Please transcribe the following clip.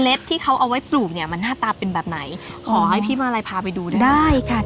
ที่เขาเอาไว้ปลูกเนี่ยมันหน้าตาเป็นแบบไหนขอให้พี่มาลัยพาไปดูได้ค่ะ